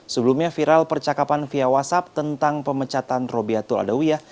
sebelumnya viral percakapan via whatsapp tentang pemecatan robiatul adawiyah